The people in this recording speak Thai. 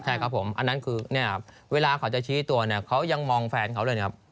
ใช่ครับผมอันนั้นคือเนี่ยเวลาเขาจะชี้ตัวเนี่ยเขายังมองแฟนเขาเลยนะครับ